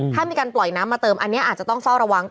ถ้ามีการปล่อยน้ำมาเติมอันนี้อาจจะต้องเฝ้าระวัง